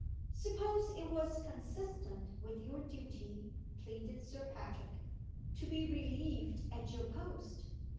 "Suppose it was consistent with your duty," pleaded Sir Patrick, "to be relieved at your post?